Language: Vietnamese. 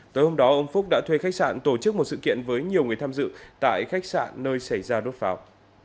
tới hôm đó ông phúc đã thuê khách sạn tổ chức một sự kiện với nhiều người tham dự tại khách sạn nơi xảy ra đốt pháo